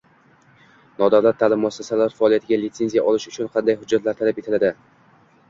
Nodavlat ta’lim muassasasi faoliyatiga litsenziya olish uchun qanday hujjatlar talab etiladi?